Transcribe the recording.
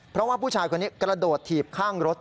เพราะว่าผู้ชายคนนี้กระโดดถีบข้างรถ